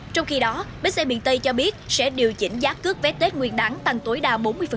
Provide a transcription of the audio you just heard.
trong khi đó bến xe miền tây cho biết sẽ điều chỉnh giá cước vé tết nguyên đáng tăng tối đa bốn mươi